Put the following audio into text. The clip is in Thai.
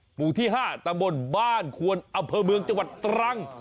หมู่ที่๕ตะบนบ้านควนอำเภอเมืองจังหวัดตรัง